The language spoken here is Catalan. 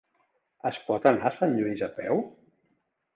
Es pot anar a Sant Lluís a peu?